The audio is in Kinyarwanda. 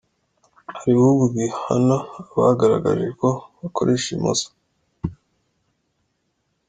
Hari ibihugu bihana abagaragaje ko bakoresha imoso .